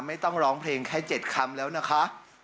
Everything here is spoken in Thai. ไม่ต้องร้องเพลงแค่๗คำแล้วนะคะ